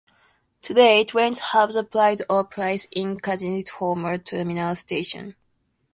Today, trains have a pride of place in Chattanooga's former Terminal Station.